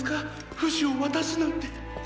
フシを渡すなんて。